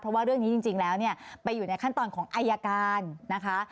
เพราะว่าเรื่องนี้จริงแล้วเนี่ยไปอยู่ในขั้นตอนของอายการนะคะ